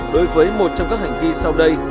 đối với một trong các hành vi sau đây